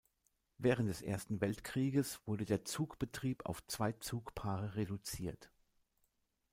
Während des Ersten Weltkrieges wurde der Zugbetrieb auf zwei Zugpaare reduziert.